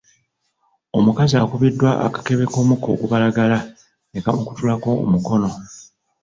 Omukazi akubiddwa akakebe k'omukka ogubalagala ne kamukutulako omukono.